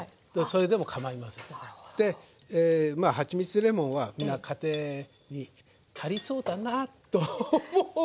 ではちみつとレモンはみんな家庭にありそうだなと思うから。